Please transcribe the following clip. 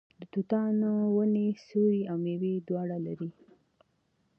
د توتانو ونې سیوری او میوه دواړه لري.